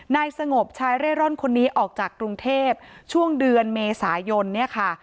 นายสงบชายเร่ร่อนคนนี้ออกจากกรุงเทพช่วงเดือนเมษายนเนี่ยค่ะ